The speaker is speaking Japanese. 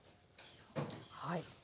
はい。